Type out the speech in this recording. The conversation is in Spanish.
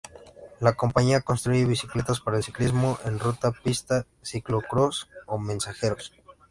La compañía construye bicicletas para el ciclismo en ruta, pista, ciclo-cross o mensajeros.